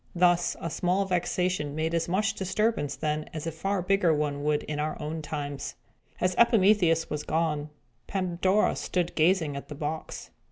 Thus, a small vexation made as much disturbance then as a far bigger one would in our own times. After Epimetheus was gone, Pandora stood gazing at the box.